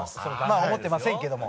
まあ思ってませんけども。